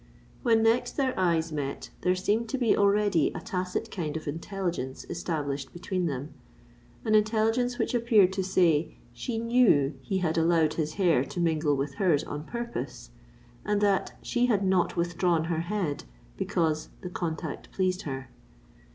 When next their eyes met, there seemed to be already a tacit kind of intelligence established between them,—an intelligence which appeared to say she knew he had allowed his hair to mingle with hers on purpose, and that she had not withdrawn her head because the contact pleased her.